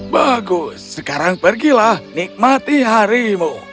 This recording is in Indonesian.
bagus sekarang pergilah nikmati harimu